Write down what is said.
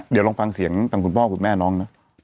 เดี๋ยวลองฟังเสียงทางคุณพ่อคุณแม่น้องนะ